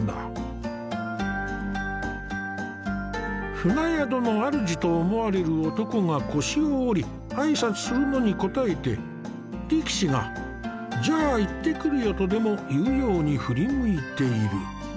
船宿の主と思われる男が腰を折り挨拶するのに応えて力士が「じゃあ行ってくるよ」とでも言うように振り向いている。